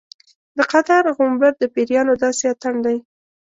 د قطر غومبر د پیریانو داسې اتڼ دی.